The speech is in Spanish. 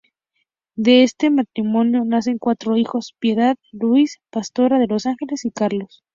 De este matrimonio nacen cuatro hijos, Piedad, Luis, Pastora de los Ángeles y Carlos.